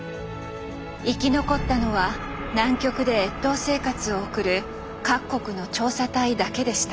生き残ったのは南極で越冬生活を送る各国の調査隊だけでした。